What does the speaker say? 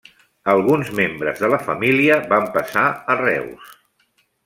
Alguns membres de la família van passar a Reus.